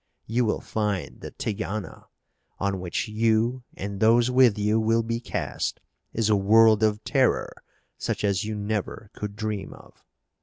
You will find that Tigana, on which you and those with you will be cast, is a world of terror such as you never could dream of.